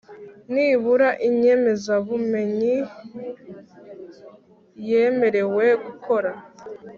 nibura inyemezabumenyi yemerewe gukora